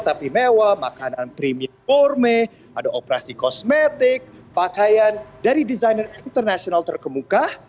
tapi mewah makanan premium forme ada operasi kosmetik pakaian dari desainer internasional terkemuka